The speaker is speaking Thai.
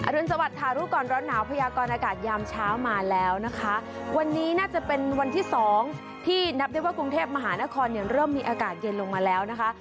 รุนสวัสดิ์รู้ก่อนร้อนหนาวพยากรอากาศยามเช้ามาแล้วนะคะวันนี้น่าจะเป็นวันที่สองที่นับได้ว่ากรุงเทพมหานครเนี่ยเริ่มมีอากาศเย็นลงมาแล้วนะคะ